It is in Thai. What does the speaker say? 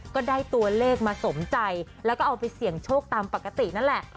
ก็ได้ตัวเลขมาสมใจแล้วก็เอาไปเสี่ยงโชคตามปกตินั่นแหละ